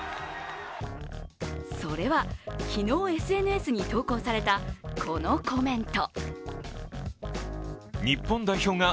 それは、昨日ＳＮＳに投稿された、このコメント。